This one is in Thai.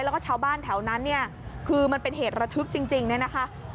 แล้วก็ชาวบ้านแถวนั้นเนี่ยคือมันเป็นเหตุระทึกจริงเนี่ยนะคะ